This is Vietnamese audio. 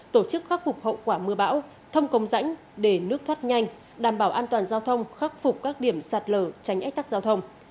tổ chức khắc phục hậu quả mưa bão thông công rãnh để nước thoát nhanh đảm bảo an toàn giao thông khắc phục các điểm sạt lở tránh ách tắc giao thông